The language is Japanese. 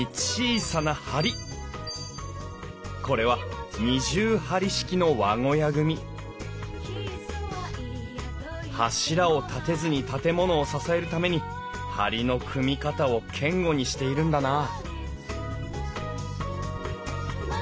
これは二重梁式の和小屋組柱を立てずに建物を支えるために梁の組み方を堅固にしているんだなあ